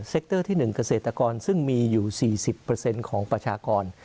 คเตอร์ที่๑เกษตรกรซึ่งมีอยู่๔๐ของประชากร